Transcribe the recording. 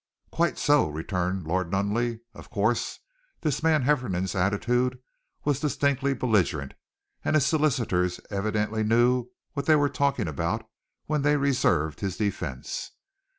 "Quite so," returned Lord Nunneley. "Of course, this man Hefferom's attitude was distinctly belligerent, and his solicitors evidently knew what they were talking about when they reserved his defence.